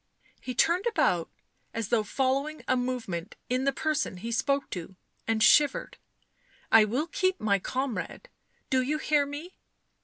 He turned about as though following a movement in the person he spoke to, and shivered. " I will keep my comrade. Do you hear me